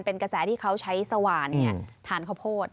เป็นกระแสที่เขาใช้สว่านทานข้าวโพด